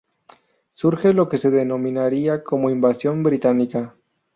Surge lo que se denominaría como Invasión británica.